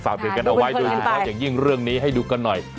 ฝากเกิดกันออกไว้ดูข้ออย่างยิ่งเรื่องนี้ให้ดูกันหน่อย